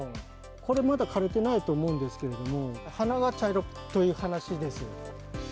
これ、まだ枯れてないと思うんですけれども、花が茶色という話です。